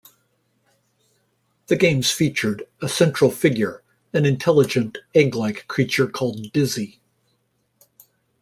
The games featured a central figure: an intelligent egg-like creature called Dizzy.